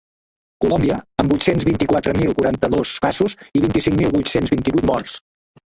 Colòmbia, amb vuit-cents vint-i-quatre mil quaranta-dos casos i vint-i-cinc mil vuit-cents vint-i-vuit morts.